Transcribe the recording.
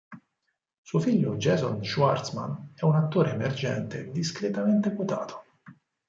Suo figlio Jason Schwartzman è un attore emergente discretamente quotato.